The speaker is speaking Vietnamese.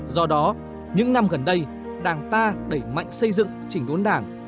do đó những năm gần đây đảng ta đẩy mạnh xây dựng chỉnh đốn đảng